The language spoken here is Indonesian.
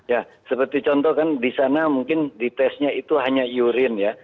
ya seperti contoh kan di sana mungkin di tesnya itu hanya urin ya